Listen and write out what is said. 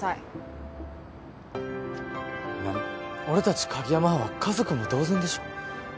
俺たち鍵山班は家族も同然でしょ。